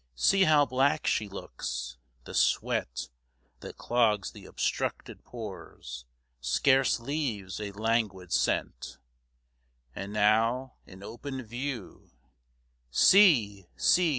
See how black she looks! The sweat, that clogs the obstructed pores, scarce leaves A languid scent. And now in open view See! See!